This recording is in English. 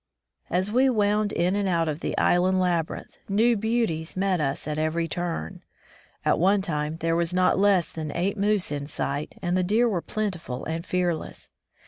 As we wound in and out of the island laby rinth, new beauties met us at every turn. At one time there were not less than eight moose in sight, and the deer were plentiful and fearless.